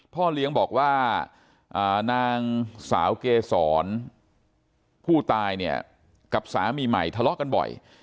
พ่อเลี้ยงบอกว่านางสาวเกษรผู้ตายเนี่ยกับสามีใหม่ทะเลาะกันบ่อย